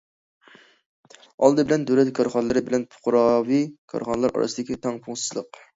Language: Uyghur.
ئالدى بىلەن دۆلەت كارخانىلىرى بىلەن پۇقراۋى كارخانىلار ئارىسىدىكى تەڭپۇڭسىزلىق.